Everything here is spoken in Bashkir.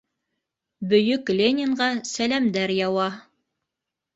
Бөйөк Ленинға сәләмдәр яуа.